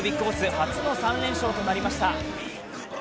ＢＩＧＢＯＳＳ、初の３連勝となりました。